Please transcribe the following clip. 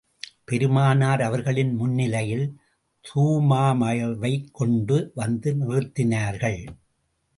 பெருமானார் அவர்களின் முன்னிலையில், துமாமாவைக் கொண்டு வந்து நிறுத்தினார்கள்.